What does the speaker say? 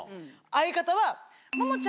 相方は。